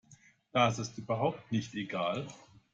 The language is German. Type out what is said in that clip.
Das ist überhaupt nicht egal.